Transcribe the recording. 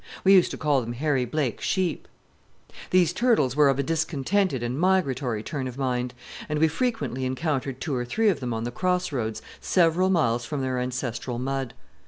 We used to call them Harry Blake's sheep. These turtles were of a discontented and migratory turn of mind, and we frequently encountered two or three of them on the cross roads several miles from their ancestral mud.